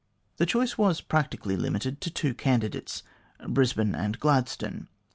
The choice was practically limited to two candidates Brisbane and Gladstone.